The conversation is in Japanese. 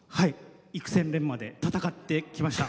幾千錬磨で戦ってきました。